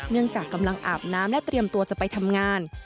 จากกำลังอาบน้ำและเตรียมตัวจะไปทำงาน